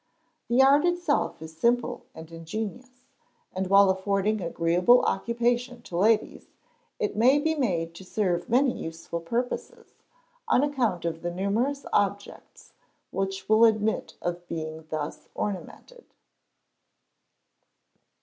The art itself is simple and ingenious, and while affording agreeable occupation to ladies, it may be made to serve many useful purposes, on account of the numerous objects which will admit of being thus ornamented.